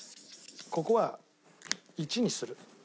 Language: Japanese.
ここは１にする。